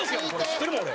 知ってるもん俺。